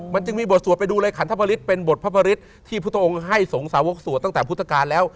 มันจึงมีบทสวดไปดูเลยขันทบริษเป็นบทพระบริษที่พุทธองค์ให้สงสาวกสวดตั้งแต่พุทธกาลแล้ว